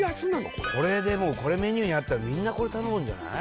これこれでもこれメニューにあったらみんなこれ頼むんじゃない？